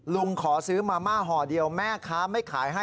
ลุงขอซื้อมาม่าห่อเดียวแม่ค้าไม่ขายให้